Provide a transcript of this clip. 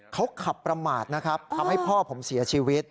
เขาขับประมาทนะครับทำให้พ่อผมเสียชีวิต